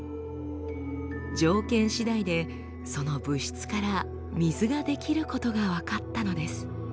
条件しだいでその物質から水が出来ることが分かったのです。